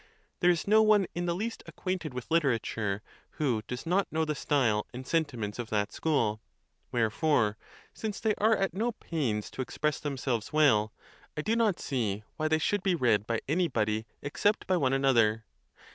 There is no one in the least acquainted with literature who does not know the style and sentiments of that school; wherefore, since they are at no pains to express themselves well, I ON BEARING PAIN. 67 do not see why they should be read by anybody except by one another.